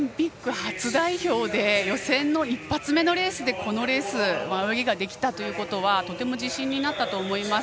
初代表で予選の一発目のレースでこのレース泳ぎができたことはとても自信になったと思います。